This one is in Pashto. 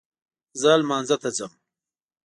زه لمانځه ته ځم